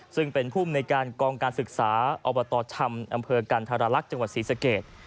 ซึ่งเป็นผู้มีในการกองการศึกษาอชกันทรลักษณ์จังหวัดศรีสเกต